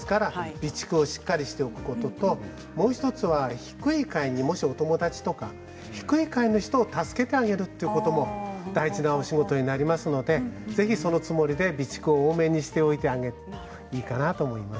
備蓄をしっかりしておくことともう１つは、低い階にもしも友達とか低い階の人を助けてあげるということも大事なお仕事になりますのでぜひそのつもりで備蓄を多めにしてあげていいかなと思います。